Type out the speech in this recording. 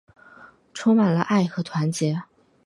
充满了爱和团结